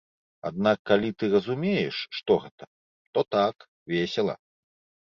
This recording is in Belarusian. Аднак калі ты разумееш, што гэта, то так, весела.